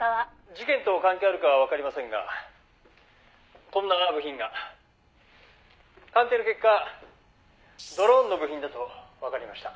「事件と関係あるかはわかりませんがこんな部品が」「鑑定の結果ドローンの部品だとわかりました」